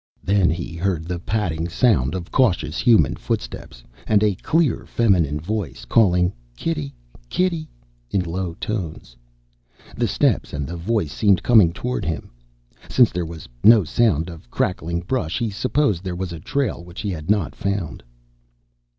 Then he heard the padding sound of cautious human footsteps, and a clear feminine voice calling "Kitty, kitty," in low tones. The steps and the voice seemed coming toward him; since there was no sound of crackling brush, he supposed there was a trail which he had not found.